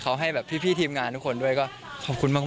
เขาให้แบบพี่ทีมงานทุกคนด้วยก็ขอบคุณมาก